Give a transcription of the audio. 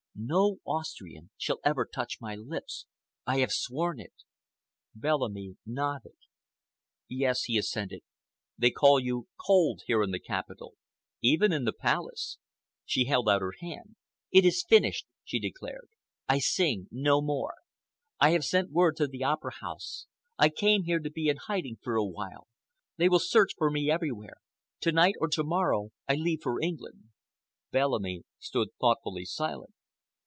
No Austrian shall ever touch my lips—I have sworn it!" Bellamy nodded. "Yes," he assented, "they call you cold here in the capital! Even in the Palace—" She held out her hand. "It is finished!" she declared. "I sing no more. I have sent word to the Opera House. I came here to be in hiding for a while. They will search for me everywhere. To night or to morrow I leave for England." Bellamy stood thoughtfully silent.